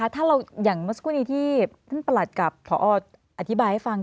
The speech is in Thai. ถ้าเราอย่างเมื่อสักครู่นี้ที่ท่านประหลัดกับพออธิบายให้ฟัง